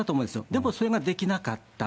でもそれができなかった。